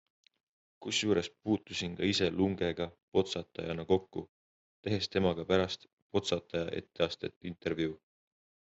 Kusjuures puutusin ka ise Lungega Potsatajana kokku, tehes temaga pärast tema Potsataja etteastet intervjuu.